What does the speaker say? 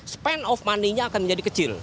span of money nya akan menjadi kecil